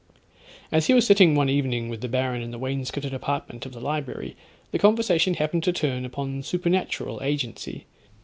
As he was sitting one evening with the baron in the wainscotted apartment of the library, the conversation happened to turn upon supernatural agency.